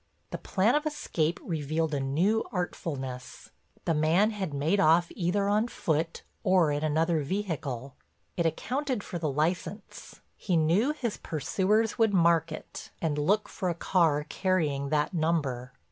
The plan of escape revealed a new artfulness—the man had made off either on foot or in another vehicle. It accounted for the license—he knew his pursuers would mark it and look for a car carrying that number.